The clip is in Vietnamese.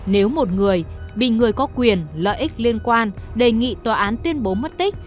nếu một người bị người có quyền lợi ích liên quan đề nghị tòa án tuyên bố mất tích